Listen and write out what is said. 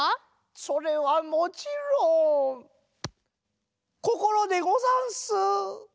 それはもちろん心でござんす。